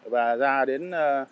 và ra đến